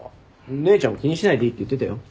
姉ちゃんも気にしないでいいって言ってたよ。